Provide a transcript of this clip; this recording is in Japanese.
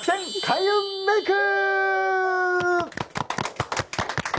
開運メイク！